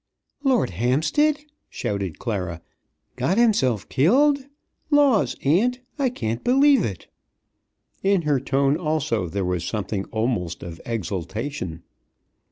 "Lord Hampstead!" shouted Clara. "Got himself killed! Laws, aunt, I can't believe it!" In her tone, also, there was something almost of exultation.